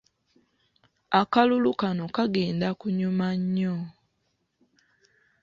Akalulu kano kagenda kunyuma nnyo.